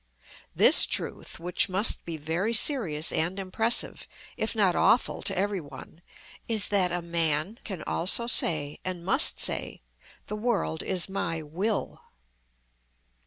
This truth, which must be very serious and impressive if not awful to every one, is that a man can also say and must say, "the world is my will."